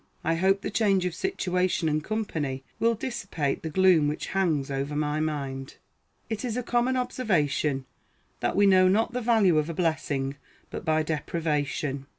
I hope the change of situation and company will dissipate the gloom which hangs over my mind. It is a common observation, that we know not the value of a blessing but by deprivation.